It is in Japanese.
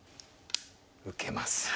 受けますよ。